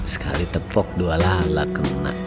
sekali tepok dua lala kena